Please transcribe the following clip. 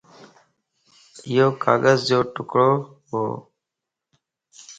ايو ڪاغذَ جو ٽڪڙو وَ